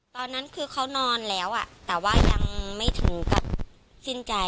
ตอนนั้นคือเขานอนแล้วแต่ว่ายังไม่ถึงกับสิ้นใจ